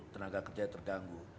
tenaga kerja terganggu